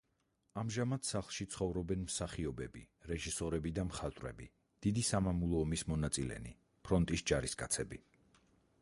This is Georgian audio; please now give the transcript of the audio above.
ამჟამად სახლში ცხოვრობენ მსახიობები, რეჟისორები და მხატვრები, დიდი სამამულო ომის მონაწილენი, ფრონტის ჯარისკაცები.